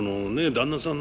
旦那さん